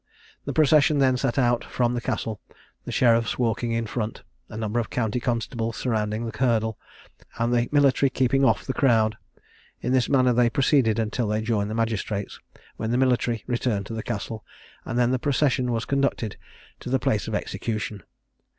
The procession then set out from the Castle, the sheriffs walking in front, a number of county constables surrounding the hurdle, and the military keeping off the crowd. In this manner they proceeded until they joined the magistrates, when the military returned to the Castle, and then the procession was conducted to the place of execution.